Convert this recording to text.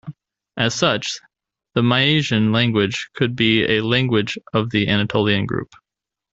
As such, the Mysian language could be a language of the Anatolian group.